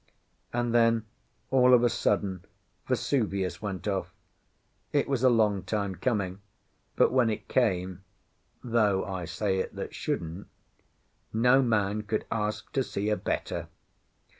And then, all of a sudden, Vesuvius went off. It was a long time coming; but when it came (though I say it that shouldn't) no man could ask to see a better.